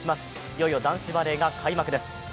いよいよ男子バレーが開幕です。